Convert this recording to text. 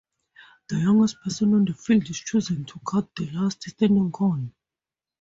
The youngest person on the field is chosen to cut the last standing corn.